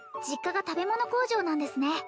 実家が食べ物工場なんですね